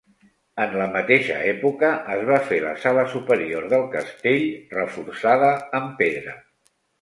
En la mateixa època es va fer la sala superior del castell reforçada amb pedra.